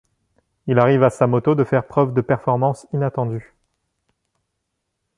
Il arrive à sa moto de faire preuve de performances inattendues.